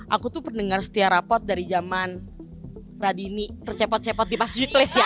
aku tuh pendengar setiap rapot dari zaman radini tercepot cepot di pacific place ya